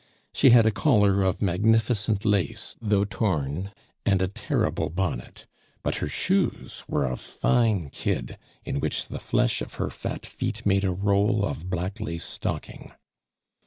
She had a collar of magnificent lace, though torn, and a terrible bonnet; but her shoes were of fine kid, in which the flesh of her fat feet made a roll of black lace stocking.